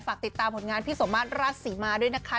ฝากติดตามผลงานพี่สมมาตรราชศรีมาด้วยนะคะ